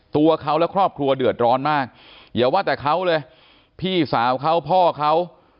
ตัวเขาและครอบครัวเดือดร้อนมากอย่าว่าแต่เขาเลยพี่สาวเขาพ่อเขา